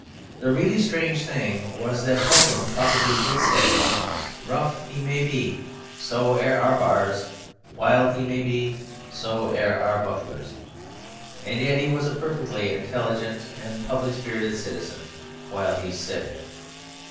The really strange thing was that Pogram probably did say, 'Rough he may be. So air our bars. Wild he may be. So air our buffalers,' and yet was a perfectly intelligent and public spirited citizen while he said it.